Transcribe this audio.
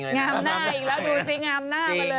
งามหน้าอีกแล้วดูสิงามหน้ามาเลย